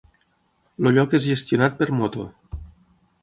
El lloc és gestionat per Moto.